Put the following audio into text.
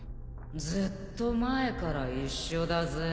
・ずっと前から一緒だぜ。